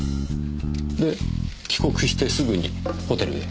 で帰国してすぐにホテルへ。